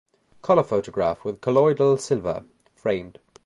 Color photograph with colloidal silver (framed).